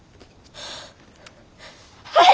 はい！